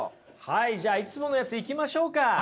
はいじゃいつものやついきましょうか。